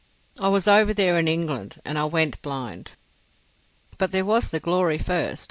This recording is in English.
"I was over there in England and I went blind." "But there was the glory first.